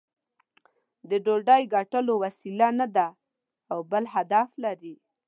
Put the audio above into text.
د ډوډۍ ګټلو وسیله نه ده او بل هدف لري.